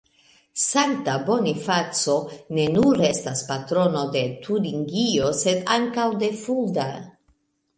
Sankta Bonifaco ne nur estas patrono de Turingio sed ankaŭ de Fulda.